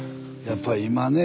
やっぱり今ね